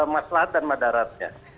mas lat dan madarat ya